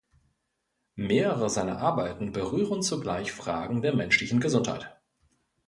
Mehrere seiner Arbeiten berühren zugleich Fragen der menschlichen Gesundheit.